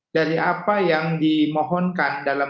dari apa yang dimohonkan dalam